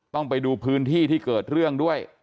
ต้องไปดูพื้นที่ที่เกิดเรื่องด้วย